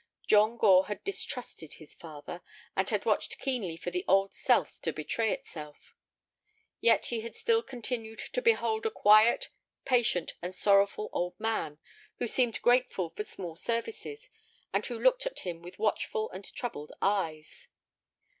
John Gore had distrusted his father, and had watched keenly for the old self to betray itself. Yet he had still continued to behold a quiet, patient, and sorrowful old man who seemed grateful for small services, and who looked at him with watchful and troubled eyes.